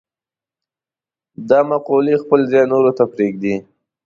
دا مقولې خپل ځای نورو ته پرېږدي.